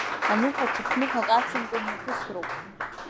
Аныҳәа ҽыԥныҳәак ацымкәа имҩаԥысроуп.